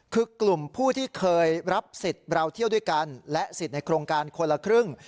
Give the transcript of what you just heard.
คือกลุ่มผู้ที่เคยรับสิทธิ์เราเที่ยวด้วยกันและสิทธิ์ในโครงการคนละครึ่ง